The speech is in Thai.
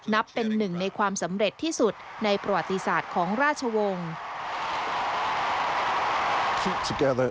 นับเป็นหนึ่งในความสำเร็จที่สุดในประวัติศาสตร์ของราชวงศ์